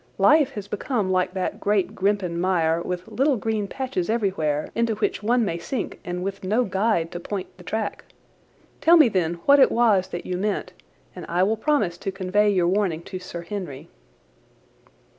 Life has become like that great Grimpen Mire, with little green patches everywhere into which one may sink and with no guide to point the track. Tell me then what it was that you meant, and I will promise to convey your warning to Sir Henry."